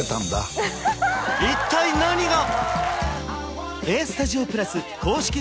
一体何が！？